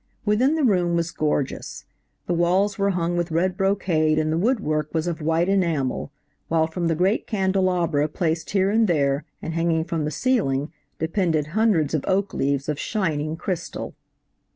Within the room was gorgeous. The walls were hung with red brocade, and the wood work was of white enamel, while from the great candelabra placed here and there, and hanging from the ceiling, depended hundreds of oak leaves of shining crystal.